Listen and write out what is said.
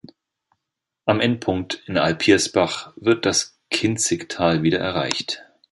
Am Endpunkt in Alpirsbach wird das Kinzigtal wieder erreicht.